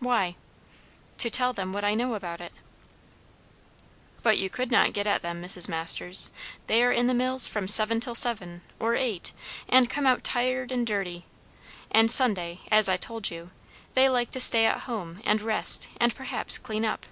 "Why?" "To tell them what I know about it." "But you could not get at them, Mrs. Masters. They are in the mills from seven till seven or eight, and come out tired and dirty; and Sunday, as I told you, they like to stay at home and rest and perhaps clean up."